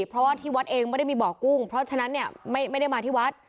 เพราะว่าที่วัดเองไม่ได้มีบ่อกุ้งเพราะฉะนั้นเนี่ยไม่ได้มาที่วัด